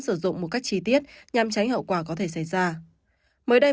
sử dụng một cách chi tiết nhằm tránh hậu quả